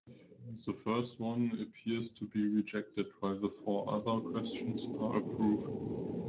The first one appears to be rejected while the four other questions are approved.